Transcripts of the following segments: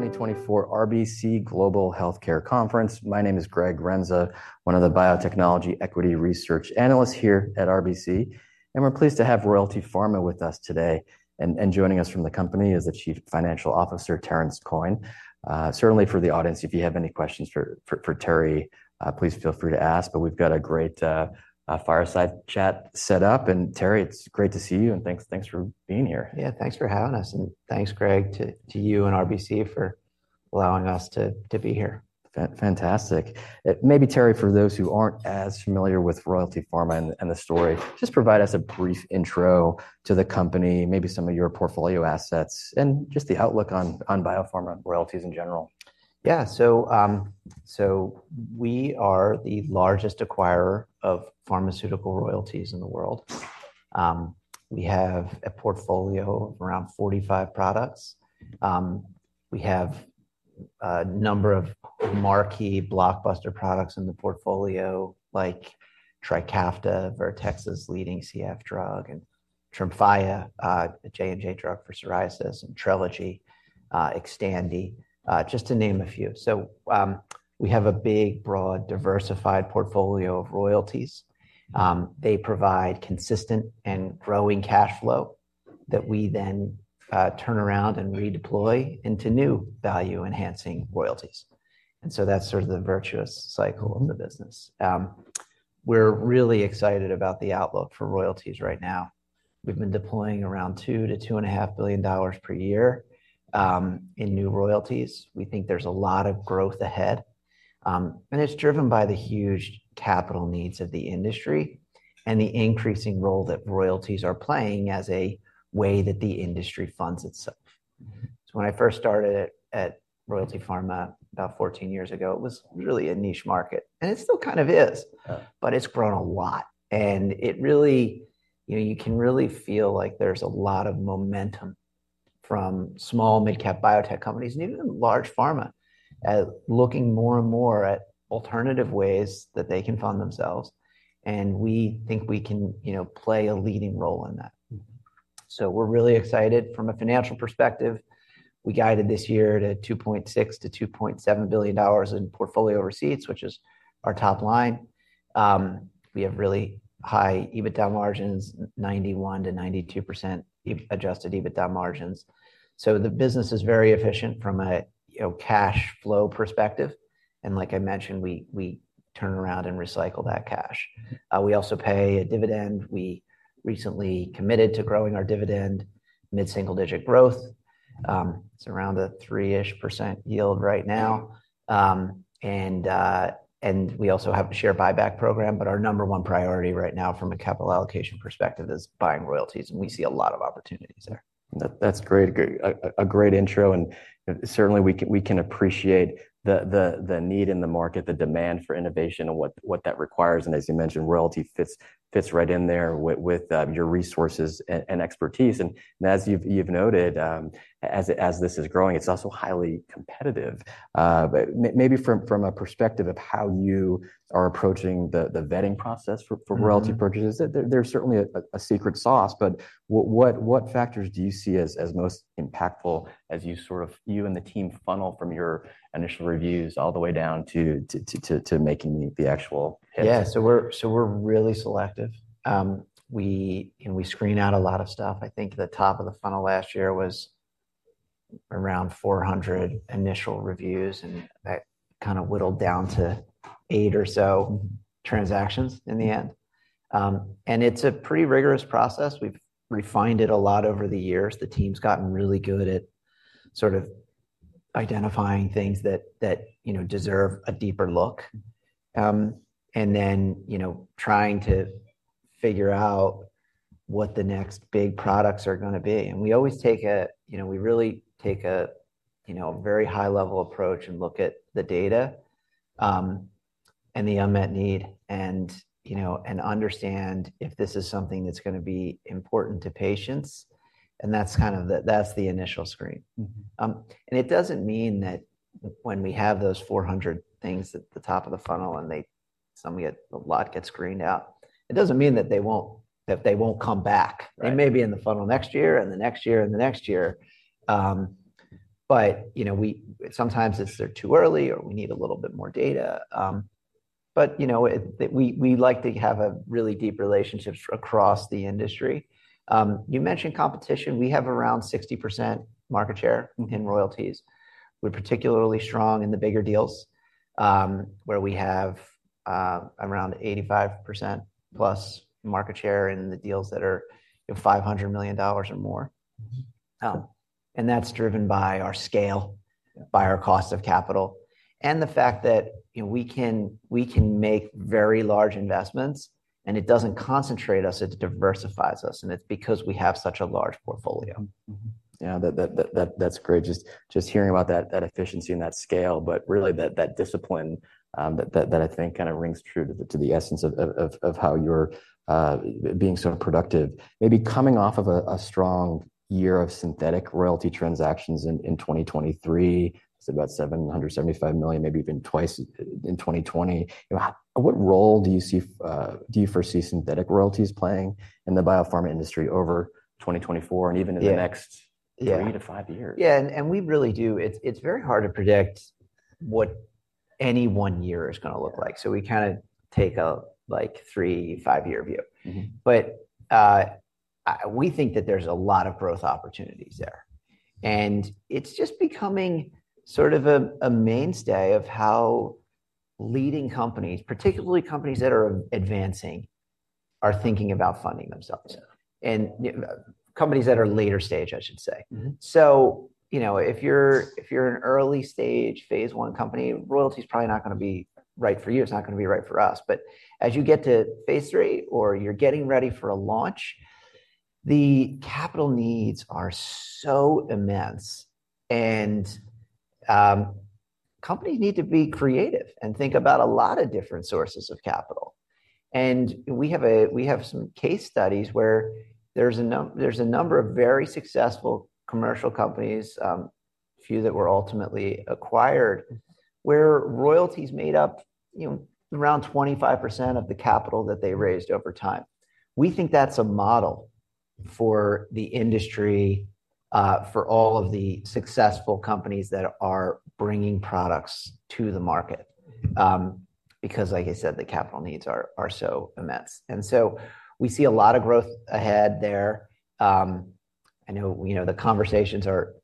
2024 RBC Global Healthcare Conference. My name is Greg Renza, one of the Biotechnology Equity Research Analysts here at RBC, and we're pleased to have Royalty Pharma with us today. Joining us from the company is the Chief Financial Officer, Terrance Coyne. Certainly for the audience, if you have any questions for Terry, please feel free to ask, but we've got a great fireside chat set up. Terry, it's great to see you, and thanks for being here. Yeah, thanks for having us. Thanks, Greg, to you and RBC for allowing us to be here. Fantastic. Maybe, Terry, for those who aren't as familiar with Royalty Pharma and the story, just provide us a brief intro to the company, maybe some of your portfolio assets, and just the outlook on Biopharma royalties in general. Yeah. So we are the largest acquirer of pharmaceutical royalties in the world. We have a portfolio of around 45 products. We have a number of marquee blockbuster products in the portfolio, like Trikafta, Vertex's leading CF drug, and Tremfya, a J&J drug for psoriasis, and Trelegy, Xtandi, just to name a few. So we have a big, broad, diversified portfolio of royalties. They provide consistent and growing cash flow that we then turn around and redeploy into new value-enhancing royalties. And so that's sort of the virtuous cycle of the business. We're really excited about the outlook for royalties right now. We've been deploying around $2 billion-$2.5 billion per year in new royalties. We think there's a lot of growth ahead, and it's driven by the huge capital needs of the industry and the increasing role that royalties are playing as a way that the industry funds itself. So when I first started at Royalty Pharma about 14 years ago, it was really a niche market, and it still kind of is, but it's grown a lot. And you can really feel like there's a lot of momentum from small, mid-cap biotech companies and even large pharma looking more and more at alternative ways that they can fund themselves. And we think we can play a leading role in that. So we're really excited from a financial perspective. We guided this year to $2.6 billion-$2.7 billion in portfolio receipts, which is our top line. We have really high EBITDA margins, 91%-92% adjusted EBITDA margins. The business is very efficient from a cash flow perspective. Like I mentioned, we turn around and recycle that cash. We also pay a dividend. We recently committed to growing our dividend mid-single digit growth. It's around a 3% yield right now. We also have a share buyback program. But our number one priority right now from a capital allocation perspective is buying royalties, and we see a lot of opportunities there. That's a great intro. Certainly, we can appreciate the need in the market, the demand for innovation, and what that requires. As you mentioned, royalty fits right in there with your resources and expertise. As you've noted, as this is growing, it's also highly competitive. Maybe from a perspective of how you are approaching the vetting process for royalty purchases, there's certainly a secret sauce. But what factors do you see as most impactful as you sort of and the team funnel from your initial reviews all the way down to making the actual hits? Yeah. So we're really selective. We screen out a lot of stuff. I think the top of the funnel last year was around 400 initial reviews, and that kind of whittled down to eight or so transactions in the end. And it's a pretty rigorous process. We've refined it a lot over the years. The team's gotten really good at sort of identifying things that deserve a deeper look and then trying to figure out what the next big products are going to be. And we always take a very high-level approach and look at the data and the unmet need and understand if this is something that's going to be important to patients. And that's kind of the initial screen. And it doesn't mean that when we have those 400 things at the top of the funnel and some of the lot get screened out, it doesn't mean that they won't come back. They may be in the funnel next year and the next year and the next year. But sometimes they're too early or we need a little bit more data. But we like to have really deep relationships across the industry. You mentioned competition. We have around 60% market share in royalties. We're particularly strong in the bigger deals where we have around 85%+ market share in the deals that are $500 million or more. And that's driven by our scale, by our cost of capital, and the fact that we can make very large investments, and it doesn't concentrate us. It diversifies us. And it's because we have such a large portfolio. Yeah, that's great. Just hearing about that efficiency and that scale, but really that discipline that I think kind of rings true to the essence of how you're being so productive. Maybe coming off of a strong year of synthetic royalty transactions in 2023, it's about $775 million, maybe even twice in 2020. What role do you foresee synthetic royalties playing in the biopharma industry over 2024 and even in the next three to five years? Yeah. And we really do. It's very hard to predict what any one year is going to look like. So we kind of take a three-five-year view. But we think that there's a lot of growth opportunities there. And it's just becoming sort of a mainstay of how leading companies, particularly companies that are advancing, are thinking about funding themselves and companies that are later stage, I should say. So if you're an early stage, phase I company, royalty is probably not going to be right for you. It's not going to be right for us. But as you get to phase III or you're getting ready for a launch, the capital needs are so immense. And companies need to be creative and think about a lot of different sources of capital. We have some case studies where there's a number of very successful commercial companies, a few that were ultimately acquired, where royalties made up around 25% of the capital that they raised over time. We think that's a model for the industry, for all of the successful companies that are bringing products to the market because, like I said, the capital needs are so immense. And so we see a lot of growth ahead there. I know the conversations are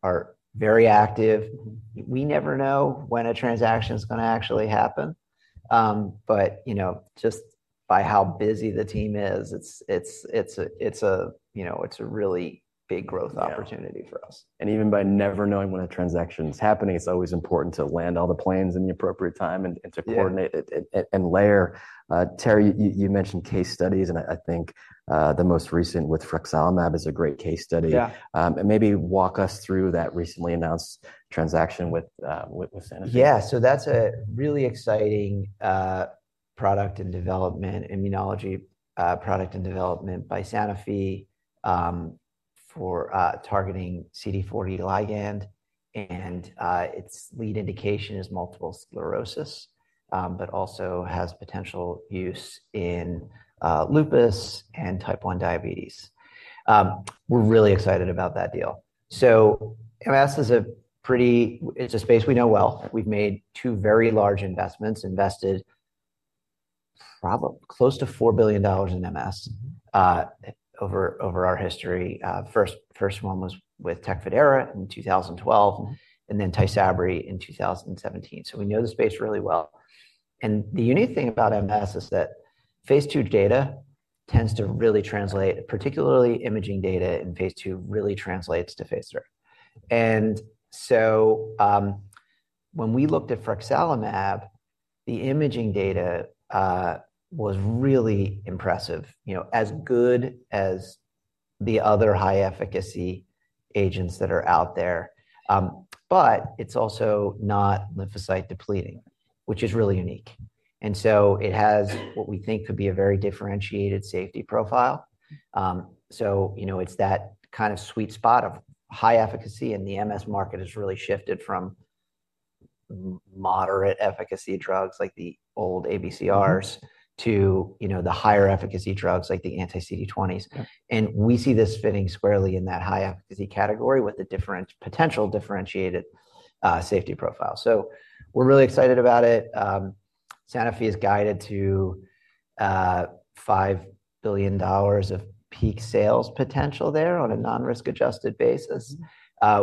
very active. We never know when a transaction is going to actually happen. But just by how busy the team is, it's a really big growth opportunity for us. And even by never knowing when a transaction is happening, it's always important to land all the planes in the appropriate time and to coordinate and layer. Terry, you mentioned case studies, and I think the most recent with frexalimab is a great case study. And maybe walk us through that recently announced transaction with Sanofi. Yeah. So that's a really exciting product and development, immunology product and development by Sanofi for targeting CD40 ligand. And its lead indication is multiple sclerosis, but also has potential use in lupus and type 1 diabetes. We're really excited about that deal. So MS is a space we know well. We've made two very large investments, invested close to $4 billion in MS over our history. First one was with Tecfidera in 2012 and then Tysabri in 2017. So we know the space really well. And the unique thing about MS is that phase II data tends to really translate, particularly imaging data in phase II really translates to phase III. And so when we looked at frexalimab, the imaging data was really impressive, as good as the other high-efficacy agents that are out there. But it's also not lymphocyte depleting, which is really unique. It has what we think could be a very differentiated safety profile. It's that kind of sweet spot of high efficacy. The MS market has really shifted from moderate efficacy drugs like the old ABCRs to the higher efficacy drugs like the anti-CD20s. We see this fitting squarely in that high-efficacy category with the potential differentiated safety profile. We're really excited about it. Sanofi is guided to $5 billion of peak sales potential there on a non-risk-adjusted basis.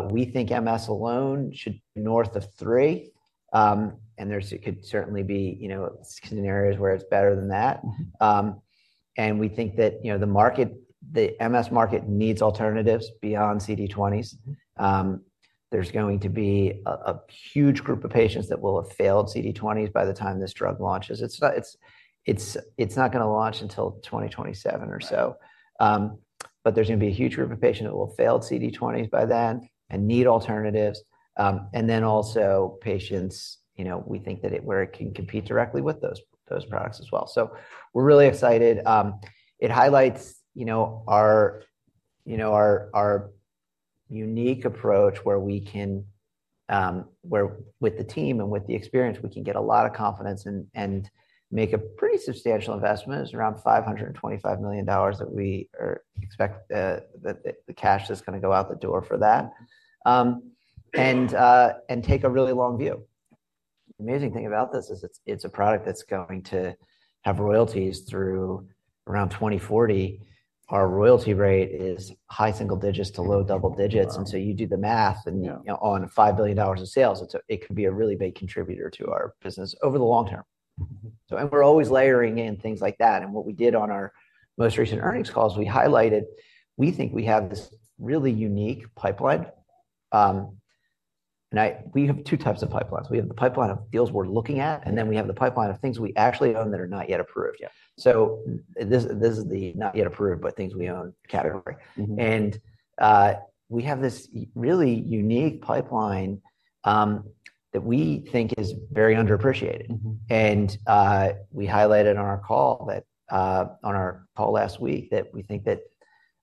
We think MS alone should be north of $3 billion. There could certainly be scenarios where it's better than that. We think that the MS market needs alternatives beyond CD20s. There's going to be a huge group of patients that will have failed CD20s by the time this drug launches. It's not going to launch until 2027 or so. But there's going to be a huge group of patients that will have failed CD20s by then and need alternatives. And then also patients, we think, where it can compete directly with those products as well. So we're really excited. It highlights our unique approach where with the team and with the experience, we can get a lot of confidence and make a pretty substantial investment. It's around $525 million that we expect the cash that's going to go out the door for that and take a really long view. The amazing thing about this is it's a product that's going to have royalties through around 2040. Our royalty rate is high single digits to low double digits. And so you do the math, and on $5 billion of sales, it could be a really big contributor to our business over the long term. We're always layering in things like that. What we did on our most recent earnings calls, we highlighted we think we have this really unique pipeline. We have two types of pipelines. We have the pipeline of deals we're looking at, and then we have the pipeline of things we actually own that are not yet approved. So this is the not yet approved, but things we own category. We have this really unique pipeline that we think is very underappreciated. We highlighted on our call last week that we think that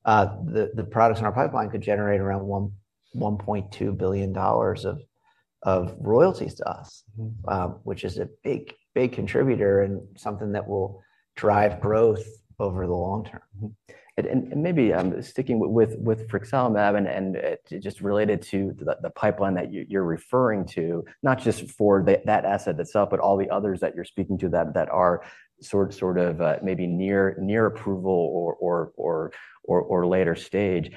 the products in our pipeline could generate around $1.2 billion of royalties to us, which is a big, big contributor and something that will drive growth over the long term. Maybe sticking with frexalimab and just related to the pipeline that you're referring to, not just for that asset itself, but all the others that you're speaking to that are sort of maybe near approval or later stage.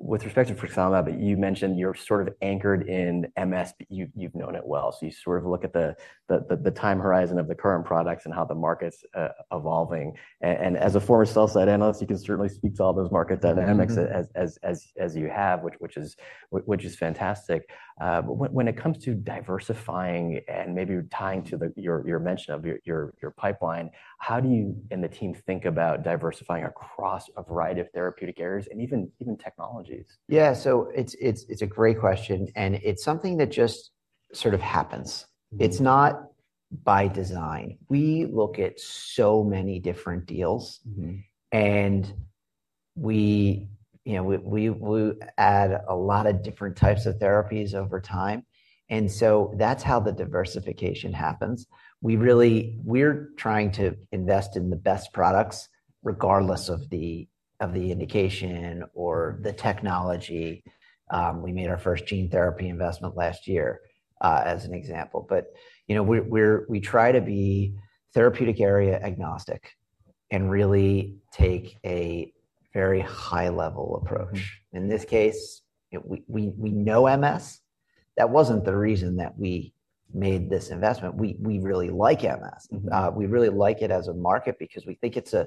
With respect to frexalimab, you mentioned you're sort of anchored in MS, but you've known it well. You sort of look at the time horizon of the current products and how the market's evolving. As a former sell-side analyst, you can certainly speak to all those market dynamics as you have, which is fantastic. When it comes to diversifying and maybe tying to your mention of your pipeline, how do you and the team think about diversifying across a variety of therapeutic areas and even technologies? Yeah. So it's a great question. It's something that just sort of happens. It's not by design. We look at so many different deals, and we add a lot of different types of therapies over time. That's how the diversification happens. We're trying to invest in the best products regardless of the indication or the technology. We made our first gene therapy investment last year, as an example. But we try to be therapeutic area agnostic and really take a very high-level approach. In this case, we know MS. That wasn't the reason that we made this investment. We really like MS. We really like it as a market because we think it's a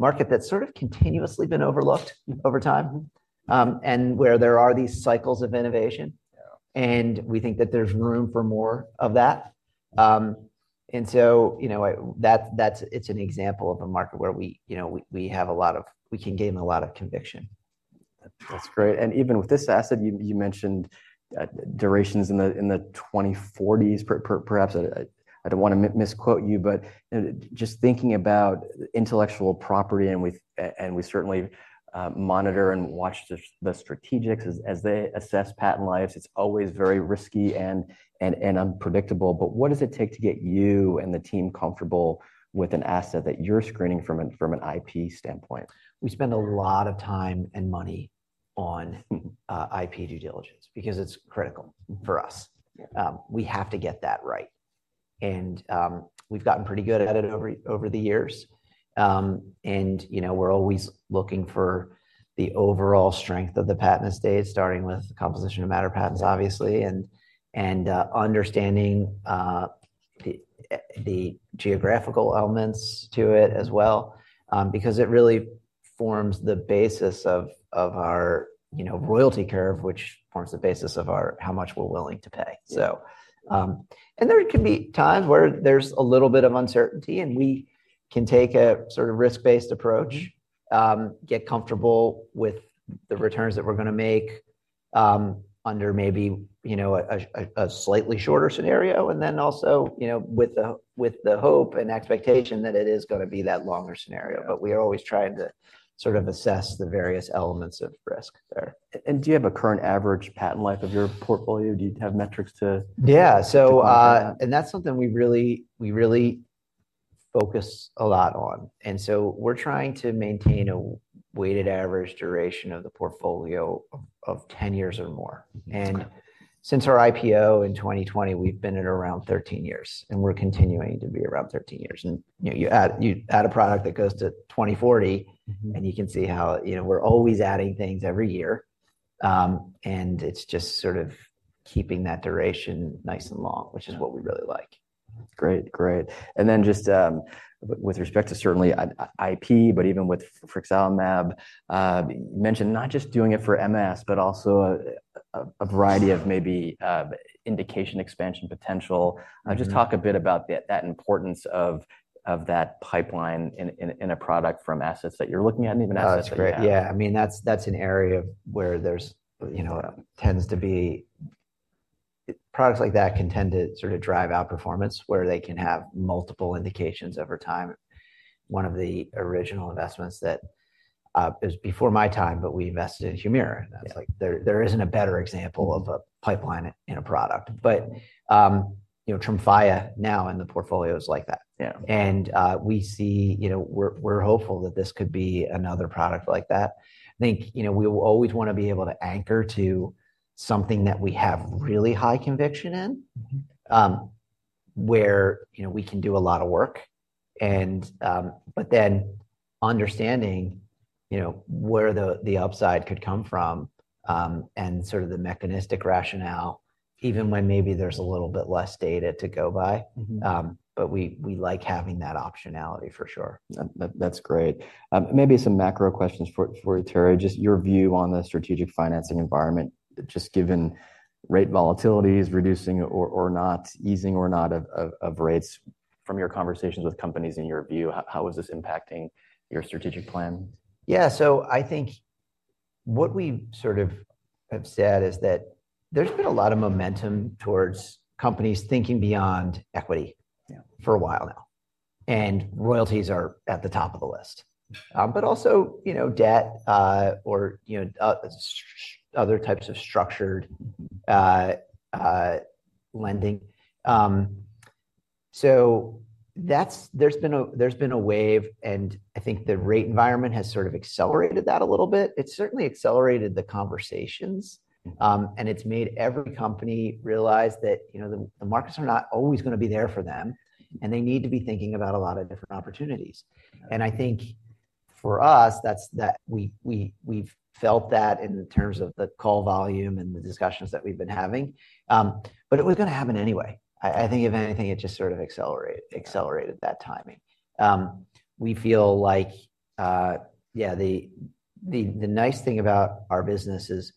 market that's sort of continuously been overlooked over time and where there are these cycles of innovation. We think that there's room for more of that. It's an example of a market where we can gain a lot of conviction. That's great. Even with this asset, you mentioned durations in the 2040s, perhaps. I don't want to misquote you, but just thinking about intellectual property, and we certainly monitor and watch the strategics as they assess patent lives, it's always very risky and unpredictable. What does it take to get you and the team comfortable with an asset that you're screening from an IP standpoint? We spend a lot of time and money on IP due diligence because it's critical for us. We have to get that right. We've gotten pretty good at it over the years. We're always looking for the overall strength of the patent estate, starting with the composition of matter patents, obviously, and understanding the geographical elements to it as well because it really forms the basis of our royalty curve, which forms the basis of how much we're willing to pay. There can be times where there's a little bit of uncertainty, and we can take a sort of risk-based approach, get comfortable with the returns that we're going to make under maybe a slightly shorter scenario, and then also with the hope and expectation that it is going to be that longer scenario. But we are always trying to sort of assess the various elements of risk there. Do you have a current average patent life of your portfolio? Do you have metrics to? Yeah. And that's something we really focus a lot on. And so we're trying to maintain a weighted average duration of the portfolio of 10 years or more. And since our IPO in 2020, we've been at around 13 years, and we're continuing to be around 13 years. And you add a product that goes to 2040, and you can see how we're always adding things every year. And it's just sort of keeping that duration nice and long, which is what we really like. Great. Great. And then just with respect to certainly IP, but even with frexalimab, you mentioned not just doing it for MS, but also a variety of maybe indication expansion potential. Just talk a bit about that importance of that pipeline in a product from assets that you're looking at and even assets that you have. That's great. Yeah. I mean, that's an area where there tends to be products like that can tend to sort of drive out performance where they can have multiple indications over time. One of the original investments that is before my time, but we invested in Humira. There isn't a better example of a pipeline in a product. But Tremfya now in the portfolio is like that. And we're hopeful that this could be another product like that. I think we always want to be able to anchor to something that we have really high conviction in, where we can do a lot of work, but then understanding where the upside could come from and sort of the mechanistic rationale, even when maybe there's a little bit less data to go by. But we like having that optionality, for sure. That's great. Maybe some macro questions for Terry, just your view on the strategic financing environment, just given rate volatilities, reducing or not, easing or not of rates from your conversations with companies in your view, how is this impacting your strategic plan? Yeah. So I think what we sort of have said is that there's been a lot of momentum towards companies thinking beyond equity for a while now. And royalties are at the top of the list, but also debt or other types of structured lending. So there's been a wave, and I think the rate environment has sort of accelerated that a little bit. It's certainly accelerated the conversations, and it's made every company realize that the markets are not always going to be there for them, and they need to be thinking about a lot of different opportunities. And I think for us, we've felt that in terms of the call volume and the discussions that we've been having. But it was going to happen anyway. I think, if anything, it just sort of accelerated that timing. We feel like, yeah, the nice thing about our business is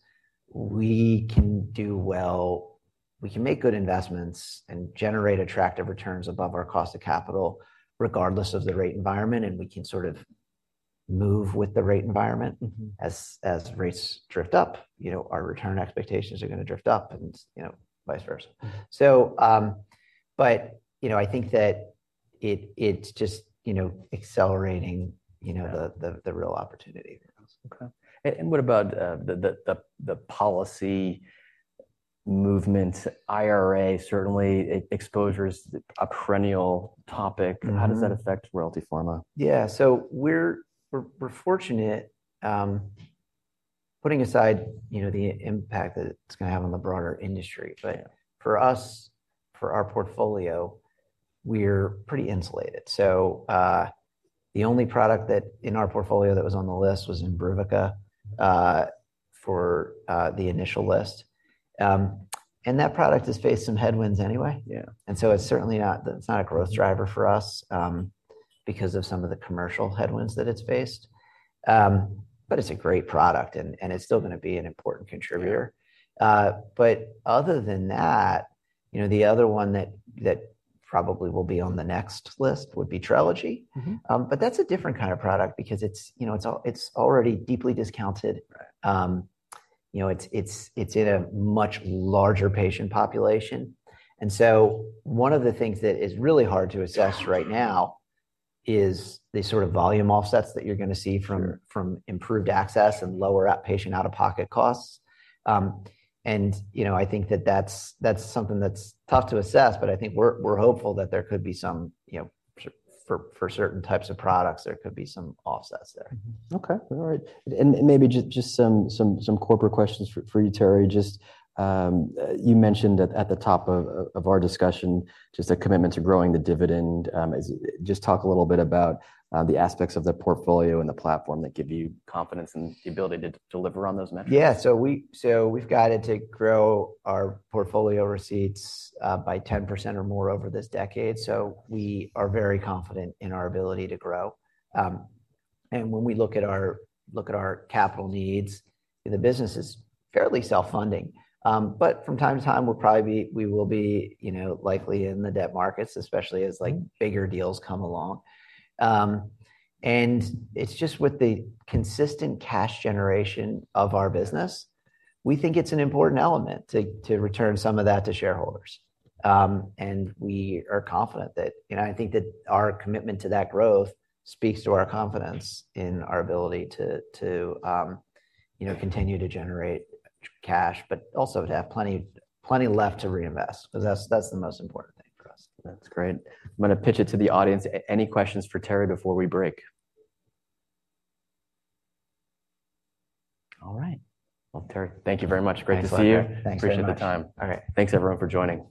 we can do well. We can make good investments and generate attractive returns above our cost of capital, regardless of the rate environment. We can sort of move with the rate environment. As rates drift up, our return expectations are going to drift up and vice versa. I think that it's just accelerating the real opportunity. Okay. What about the policy movements, IRA? Certainly, exposure is a perennial topic. How does that affect Royalty Pharma? Yeah. So we're fortunate putting aside the impact that it's going to have on the broader industry. But for us, for our portfolio, we're pretty insulated. So the only product in our portfolio that was on the list was Imbruvica for the initial list. And that product has faced some headwinds anyway. And so it's certainly not a growth driver for us because of some of the commercial headwinds that it's faced. But it's a great product, and it's still going to be an important contributor. But other than that, the other one that probably will be on the next list would be Trelegy. But that's a different kind of product because it's already deeply discounted. It's in a much larger patient population. One of the things that is really hard to assess right now is the sort of volume offsets that you're going to see from improved access and lower outpatient out-of-pocket costs. I think that that's something that's tough to assess, but I think we're hopeful that there could be some for certain types of products, there could be some offsets there. Okay. All right. And maybe just some corporate questions for you, Terry. You mentioned at the top of our discussion just a commitment to growing the dividend. Just talk a little bit about the aspects of the portfolio and the platform that give you confidence and the ability to deliver on those metrics. Yeah. So we've got it to grow our portfolio receipts by 10% or more over this decade. So we are very confident in our ability to grow. And when we look at our capital needs, the business is fairly self-funding. But from time to time, we'll be likely in the debt markets, especially as bigger deals come along. And it's just with the consistent cash generation of our business, we think it's an important element to return some of that to shareholders. And we are confident that I think that our commitment to that growth speaks to our confidence in our ability to continue to generate cash, but also to have plenty left to reinvest because that's the most important thing for us. That's great. I'm going to pitch it to the audience. Any questions for Terry before we break? All right. Well, Terry, thank you very much. Great to see you. Appreciate the time. All right. Thanks, everyone, for joining.